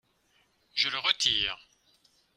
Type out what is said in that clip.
Je le retire.